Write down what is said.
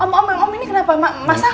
om ini kenapa